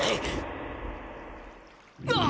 あっ！